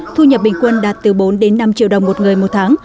thu nhập bình quân đạt từ bốn đến năm triệu đồng một người một tháng